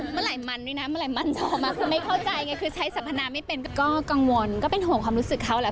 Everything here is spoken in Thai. เมื่อไหร่มันด้วยนะเมื่อไหร่มันจะออกมา